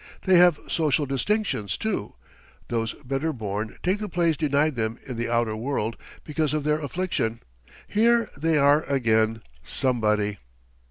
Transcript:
They have social distinctions, too those better born take the place denied them in the outer world because of their affliction. Here they are again Somebody.